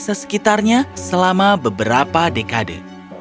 desa desa sekitarnya selama beberapa dekade